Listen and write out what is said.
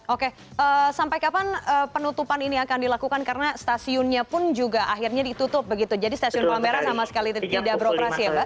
oke sampai kapan penutupan ini akan dilakukan karena stasiunnya pun juga akhirnya ditutup begitu jadi stasiun palmerah sama sekali tidak beroperasi ya mbak